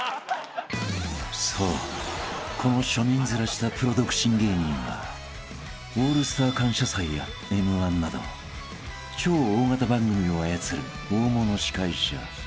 ［そうこの庶民ヅラしたプロ独身芸人は『オールスター感謝祭』や『Ｍ−１』など超大型番組を操る大物司会者］